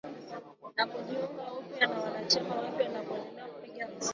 Na kujiunga upya na wanachama wapya na kundelea kupiga muziki